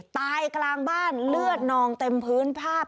ตายกลางบ้านเลือดนองเต็มพื้นภาพ